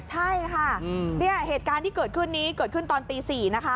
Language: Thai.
ใช่ค่ะเนี่ยเหตุการณ์ที่เกิดขึ้นนี้เกิดขึ้นตอนตี๔นะคะ